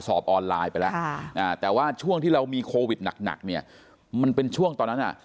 สอบออนไลน์ไปแล้วแต่ว่าช่วงที่เรามีโควิดหนักเนี่ยมันเป็นช่วงตอนนั้นอ่ะ